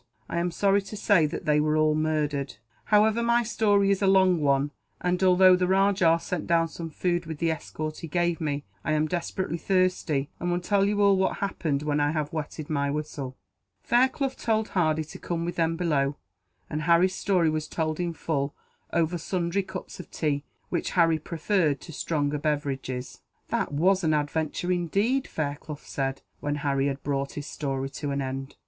"I am sorry to say that they were all murdered. However, my story is a long one and, although the rajah sent down some food with the escort he gave me, I am desperately thirsty, and will tell you all that happened when I have wetted my whistle." Fairclough told Hardy to come with them below, and Harry's story was told in full, over sundry cups of tea, which Harry preferred to stronger beverages. "That was an adventure, indeed," Fairclough said, when Harry had brought his story to an end.